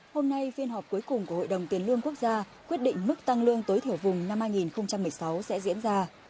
hôm nay phiên họp cuối cùng của hội đồng tiền lương quốc gia quyết định mức tăng lương tối thiểu vùng năm hai nghìn một mươi sáu sẽ diễn ra